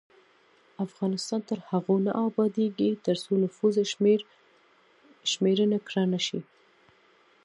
افغانستان تر هغو نه ابادیږي، ترڅو نفوس شمېرنه کره نشي.